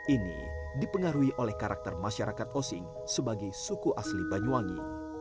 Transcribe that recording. ini dipengaruhi oleh karakter masyarakat osing sebagai suku asli banyuwangi